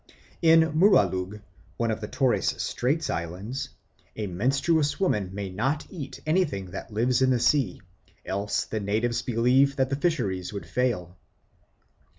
In Muralug, one of the Torres Straits Islands, a menstruous woman may not eat anything that lives in the sea, else the natives believe that the fisheries would fail.